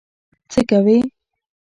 څه کوي.